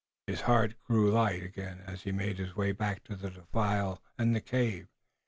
His heart grew light again as he made his way back to the defile and the cave.